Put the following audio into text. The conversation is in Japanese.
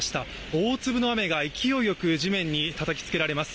大粒の雨が勢いよく地面にたたきつけられます。